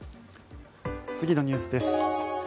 次のニュースです。